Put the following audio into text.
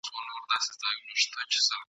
که هر څومره څوک هوښیار او لاس یې بر وي ..